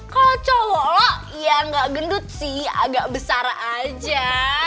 kalau cowok lo ya gak gendut sih agak besar aja